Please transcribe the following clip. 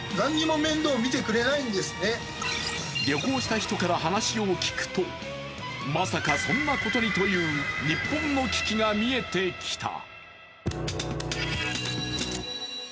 旅行した人から話を聞くと、まさかそんなことにという日本の危機が見えてきた。